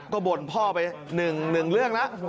ก็บ่นพ่อไป๑เรื่องแล้ว